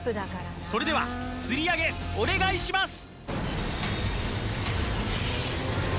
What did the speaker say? それでは吊り上げお願いします